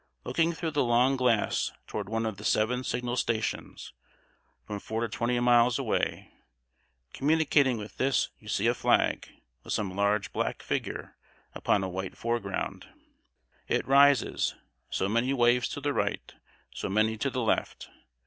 Looking through the long glass toward one of the seven signal stations, from four to twenty miles away, communicating with this, you see a flag, with some large black figure upon a white foreground. It rises; so many waves to the right; so many to the left.